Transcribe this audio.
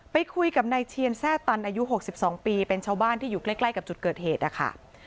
ไปคุยกับนายเชียนแทร่ตันอายุ๖๒ปีเป็นชาวบ้านที่อยู่ใกล้กับจุดเกิดเหตุนะคะ